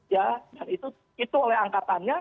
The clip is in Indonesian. ya dan itu oleh angkatannya